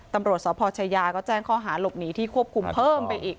ตำรวจสพชายาก็แจ้งข้อหาหลบหนีที่ควบคุมเพิ่มไปอีก